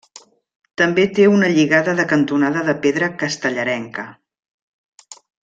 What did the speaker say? També té una lligada de cantonada de pedra castellarenca.